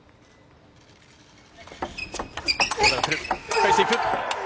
返していく。